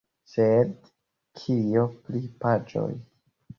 Sed kio pri paĝoj?